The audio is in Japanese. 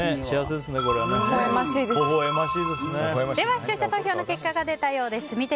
では視聴者投票の結果が出たようです。